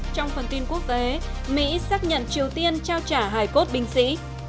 trong phần tin quốc tế mỹ xác nhận triều tiên trao trả hài cốt binh sĩ